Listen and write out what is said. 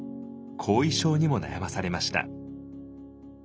後遺症にも悩まされました。